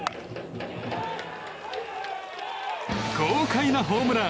豪快なホームラン。